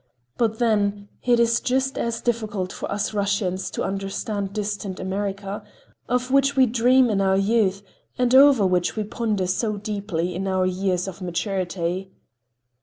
But then, it is just as difficult for us Russians to understand distant America, of which we dream in our youth and over which we ponder so deeply in our years of maturity.